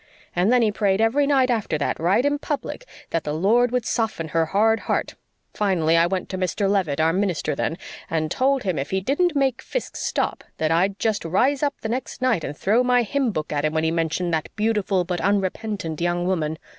And then he prayed every night after that, right in public, that the Lord would soften her hard heart. Finally I went to Mr. Leavitt, our minister then, and told him if he didn't make Fiske stop that I'd just rise up the next night and throw my hymn book at him when he mentioned that 'beautiful but unrepentant young woman.'